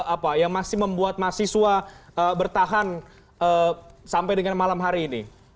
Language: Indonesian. apa yang masih membuat mahasiswa bertahan sampai dengan malam hari ini